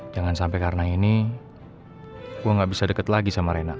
jangan sampai karena ini gue gak bisa deket lagi sama rena